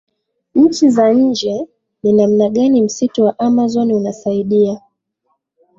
nchi za nje Ni namna gani msitu wa Amazon unasaidia